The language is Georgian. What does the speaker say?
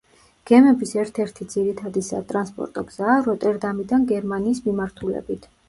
გემების ერთ-ერთი ძირითადი სატრანსპორტო გზაა როტერდამიდან გერმანიის მიმართულებით.